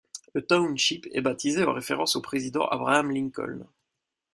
Le township est baptisé en référence au président Abraham Lincoln.